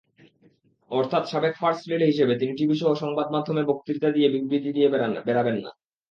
অর্থাৎ সাবেক first lady হিসেবে তিনি টিভিসহ সংবাদমাধ্যমে বক্তৃতা-বিবৃতি দিয়ে বেড়াবেন না।